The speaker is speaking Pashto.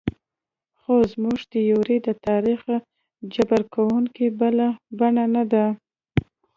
خو زموږ تیوري د تاریخ جبر کومه بله بڼه نه ده.